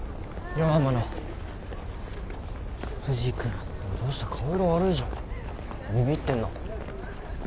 天野藤井君どうした顔色悪いじゃんビビってんの？